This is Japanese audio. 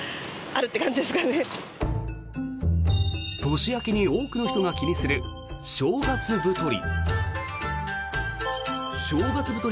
年明けに多くの人が気にする正月太り。